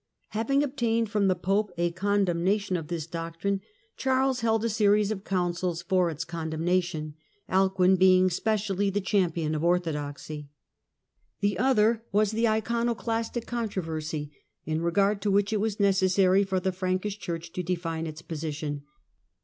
Having obtained from the Pope a condemnation of this doctrine, Charles held 170 THE DAWN OF MEDIAEVAL EUROPE a series of councils for its condemnation, Alcuin being specially the champion of orthodoxy. The other was the Iconoclastic controversy, in regard to which it was necessary for the Frankish Church to define its position.